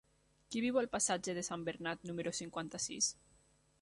Qui viu al passatge de Sant Bernat número cinquanta-sis?